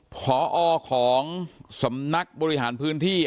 พอของสำนักบริหารพื้นที่